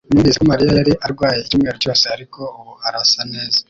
Numvise ko Mariya yari arwaye icyumweru cyose, ariko ubu arasa neza